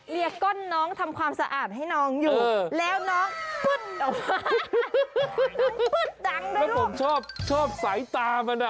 แล้วผมชอบสายตามัน